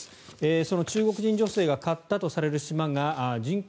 その中国人女性が買ったとされる島が人口